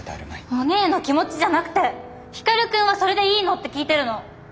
おねぇの気持ちじゃなくて光くんはそれでいいのって聞いてるの！